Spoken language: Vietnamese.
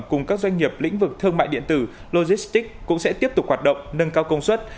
cùng các doanh nghiệp lĩnh vực thương mại điện tử logistics cũng sẽ tiếp tục hoạt động nâng cao công suất